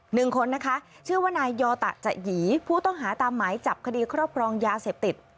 หนึ่งคนนะคะชื่อว่านายยอตะจะหยีผู้ต้องหาตามหมายจับคดีครอบครองยาเสพติด